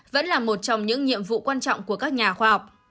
vẫn là một trong những nhiệm vụ quan trọng của các nhà khoa học